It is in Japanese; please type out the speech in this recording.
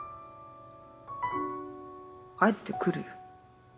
帰ってくるよ。